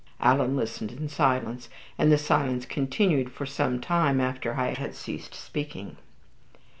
Alan listened in silence, and the silence continued for some time after I had ceased speaking.